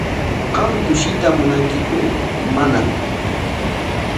¿Qam tushuyta munankiku manaku?